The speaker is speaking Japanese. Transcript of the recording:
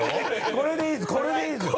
これでいいですよ。